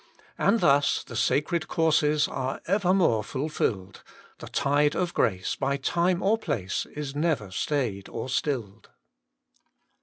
And thus the sacred courses Are evermore fulfilled, The tide of grace By time or place Is never stayed or stilled.